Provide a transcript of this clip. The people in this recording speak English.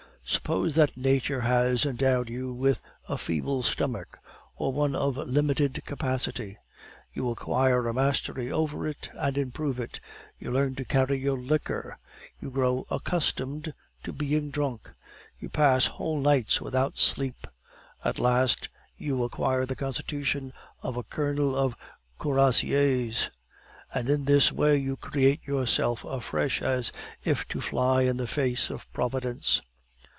"Suppose that nature has endowed you with a feeble stomach or one of limited capacity; you acquire a mastery over it and improve it; you learn to carry your liquor; you grow accustomed to being drunk; you pass whole nights without sleep; at last you acquire the constitution of a colonel of cuirassiers; and in this way you create yourself afresh, as if to fly in the face of Providence.